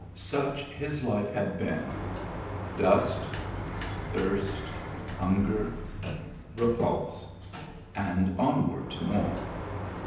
Such his life had been; dust, thirst, hunger, repulse — and onward to more.